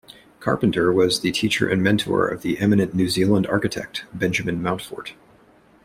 Carpenter was the teacher and mentor of the eminent New Zealand architect Benjamin Mountfort.